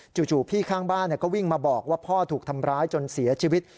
พี่ข้างบ้านก็วิ่งมาบอกว่าพ่อถูกทำร้ายจนเสียชีวิต